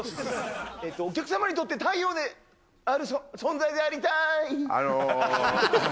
えっと、お客様にとって太陽で、存在でありたーい。